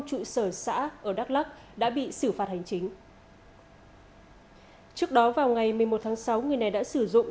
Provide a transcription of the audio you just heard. trụ sở xã ở đắk lắc đã bị xử phạt hành chính trước đó vào ngày một mươi một tháng sáu người này đã sử dụng